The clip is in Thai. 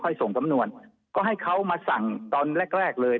ส่งสำนวนก็ให้เขามาสั่งตอนแรกแรกเลย